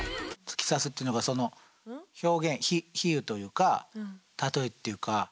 突き刺すっていうのがその表現比喩というか例えっていうか。